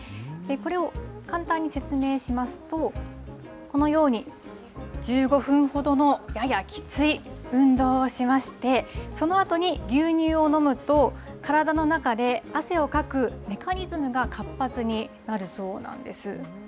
これを簡単に説明しますと、このように１５分ほどのややきつい運動をしまして、そのあとに牛乳を飲むと、体の中で汗をかくメカニズムが活発になるそうなんです。